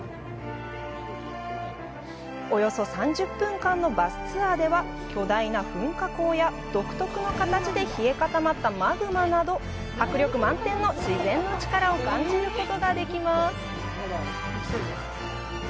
およそ３０分間のバスツアーでは、巨大な噴火口や独特の形で冷え固まったマグマなど迫力満点の自然の力を感じることができます。